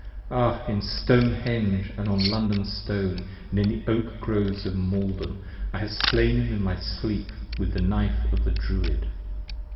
Ah! In Stone henge & on London Stone & in the Oak Groves of Maiden 25 I have Slain him in my Sleep, with the Knife of the Druid.